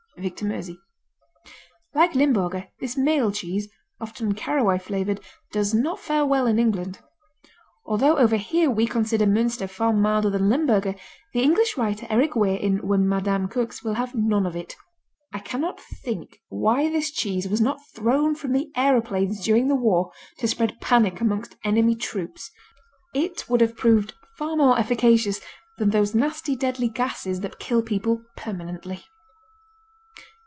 Victor Meusy Like Limburger, this male cheese, often caraway flavored, does not fare well in England. Although over here we consider Münster far milder than Limburger, the English writer Eric Weir in When Madame Cooks will have none of it: I cannot think why this cheese was not thrown from the aeroplanes during the war to spread panic amongst enemy troops. It would have proved far more efficacious than those nasty deadly gases that kill people permanently.